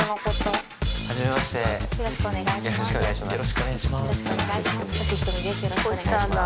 よろしくお願いします。